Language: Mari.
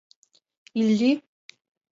Илли!